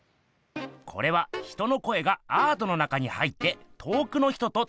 これは人の声がアートの中に入って遠くの人とつながれる作ひんです。